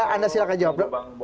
anda silahkan jawab